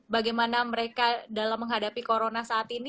bagaimana mereka dalam menghadapi corona saat ini